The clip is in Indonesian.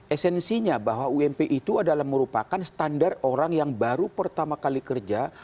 esensinya bahwa ump itu adalah merupakan standar orang yang baru pertama kali kerja